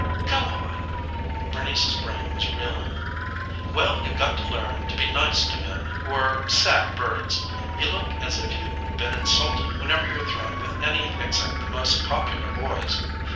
"Go on." Bernice's brain was reeling. "Well, you've got to learn to be nice to men who are sad birds. You look as if you'd been insulted whenever you're thrown with any except the most popular boys.